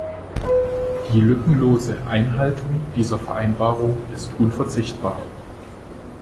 Die lückenlose Einhaltung dieser Vereinbarungen ist unverzichtbar.